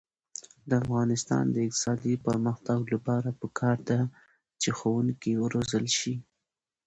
د افغانستان د اقتصادي پرمختګ لپاره پکار ده چې ښوونکي وروزل شي.